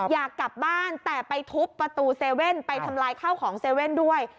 อยากกลับบ้านแต่ไปทุบประตูเซเว่นไปทำลายข้าวของเซเว่นด้วย